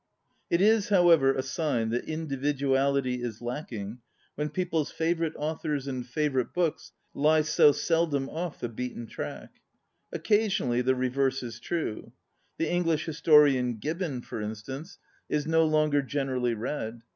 It is, however, a sign that indi viduality is lacking when people's favorite authors and favorite books like so seldom off the beaten track. Occasionally the reverse is true. The English historian. Gibbon, for instance, is no longer generally read.